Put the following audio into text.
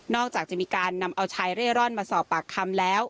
จากจะมีการนำเอาชายเร่ร่อนมาสอบปากคำแล้ว